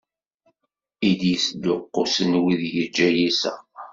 I d-yesduqqusen wid yeǧǧa yiseɣ.